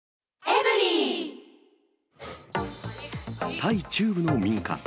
タイ中部の民家。